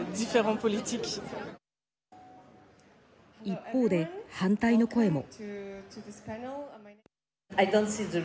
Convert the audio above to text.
一方で、反対の声も。